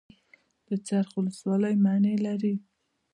د څرخ ولسوالۍ مڼې لري